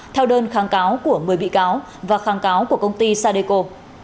theo đơn kháng cáo của một mươi bị cáo và kháng cáo của công ty sadeco